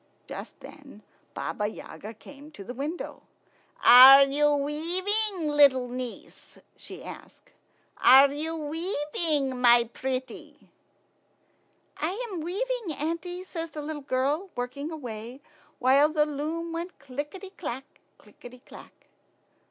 Just then Baba Yaga came to the window. "Are you weaving, little niece?" she asked. "Are you weaving, my pretty?" "I am weaving, auntie," says the little girl, working away, while the loom went clickety clack, clickety clack.